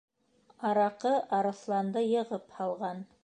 Араҡы арыҫланды йығып һалған.